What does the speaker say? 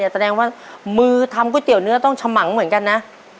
แสดงว่ามือทำก๋วยเตี๋ยเนื้อต้องฉมังเหมือนกันนะ